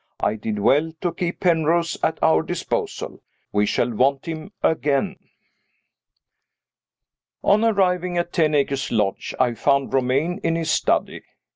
I did well to keep Penrose at our disposal. We shall want him again. On arriving at Ten Acres Lodge, I found Romayne in his study.